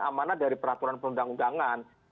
amanat dari peraturan perundang undangan